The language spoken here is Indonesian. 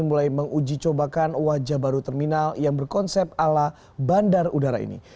mulai menguji cobakan wajah baru terminal yang berkonsep ala bandar udara ini